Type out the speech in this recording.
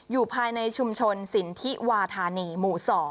อยู่ภายในชุมชนสินทิวาธานีหมู่๒